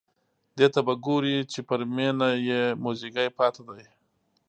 دې ته به ګوري چې پر مېنه یې موزیګی پاتې دی.